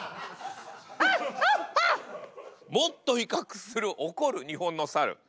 もっと威嚇する怒る日本の猿。